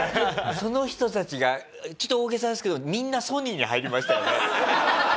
その人たちがちょっと大げさですけどみんなソニーに入りましたよね。